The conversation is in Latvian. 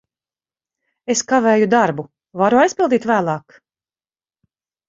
Es kavēju darbu. Varu aizpildīt vēlāk?